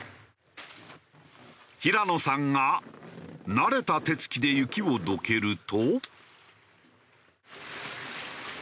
平野さんが慣れた手付きで雪をどけると。